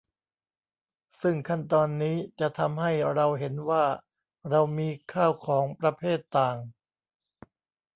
ซึ่งขั้นตอนนี้จะทำให้เราเห็นว่าเรามีข้าวของประเภทต่าง